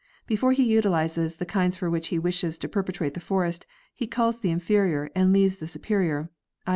Before he utilizes the kinds for which he wishes to perpetuate the forest, he culls the inferior and leaves the superior—i.